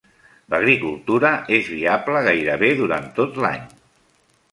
L'agricultura és viable gairebé durant tot l'any.